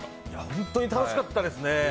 本当に楽しかったですね。